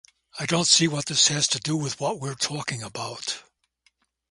I don't see what this has to do with what we are talking about.